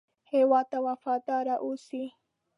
هېواد ته وفاداره اوسئ